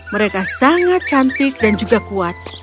mereka sangat cantik dan juga kuat